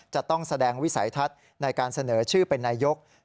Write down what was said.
จะต้องแสดงวิสัยทัศน์ในการเสนอชื่อเป็นนายก